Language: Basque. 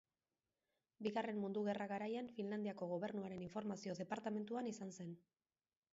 Bigarren Mundu Gerra garaian Finlandiako gobernuaren informazio departamentuan izan zen.